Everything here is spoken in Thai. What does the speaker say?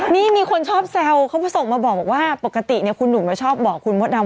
นี่มีคนชอบแซวเขาส่งมาบอกว่าปกติคุณหนุ่มชอบบอกคุณมดดำ